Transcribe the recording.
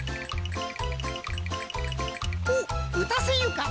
おっうたせゆか。